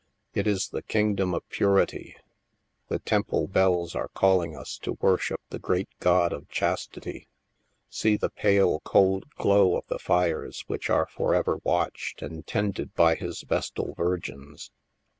It is the Kingdom of Purity; the temple bells are calling us to worship the great God of Chastity ! See the pale cold glow of the fires which are forever watched and tended by his Vestal Virgins.